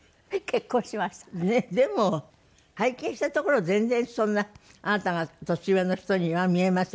でも拝見したところ全然そんなあなたが年上の人には見えません。